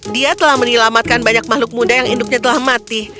dia telah menyelamatkan banyak makhluk muda yang induknya telah mati